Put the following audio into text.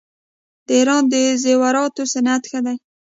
د ایران د زیوراتو صنعت ښه دی.